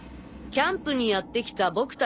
キャンプにやって来た僕達